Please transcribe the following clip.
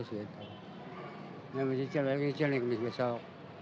ini misalnya cil ini misalnya cil ini misalnya besok